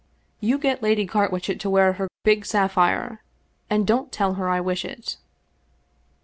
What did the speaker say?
You get Lady Carwitchet to wear her big sapphire, and don't tell her I wish it."